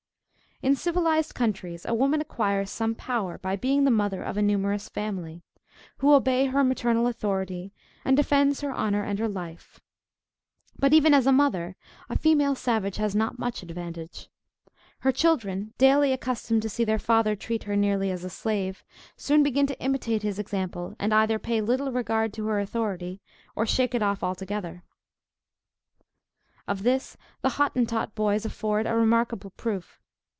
In civilized countries a woman acquires some power by being the mother of a numerous family, who obey her maternal authority, and defends her honor and her life. But, even as a mother, a female savage has not much advantage. Her children, daily accustomed to see their father treat her nearly as a slave, soon begin to imitate his example, and either pay little regard to her authority or shake it off altogether. Of this the Hottentot boys afford a remarkable proof.